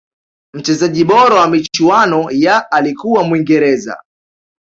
mchezaji bora wa michuano ya alikuwa mwingereza